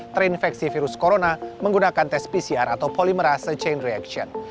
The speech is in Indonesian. terinfeksi virus corona menggunakan tes pcr atau polimerase chain reaction